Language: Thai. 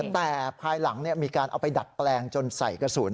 แต่ภายหลังมีการเอาไปดัดแปลงจนใส่กระสุน